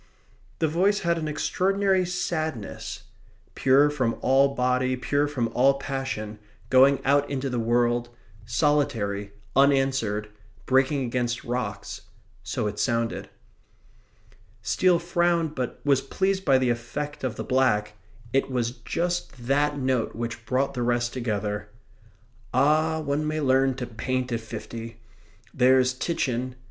The voice had an extraordinary sadness. Pure from all body, pure from all passion, going out into the world, solitary, unanswered, breaking against rocks so it sounded. Steele frowned; but was pleased by the effect of the black it was just THAT note which brought the rest together. "Ah, one may learn to paint at fifty! There's Titian..."